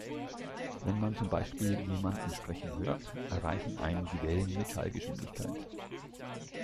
Wenn man zum Beispiel jemanden sprechen hört, erreichen einen die Wellen mit Schallgeschwindigkeit.